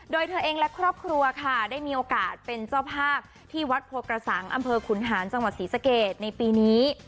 โดยเธอเองและครอบครัวค่ะได้มีโอกาสเป็นเจ้าภาพที่วัดโพกระสังอำเภอขุนหานจังหวัดศรีสะเกดในปีนี้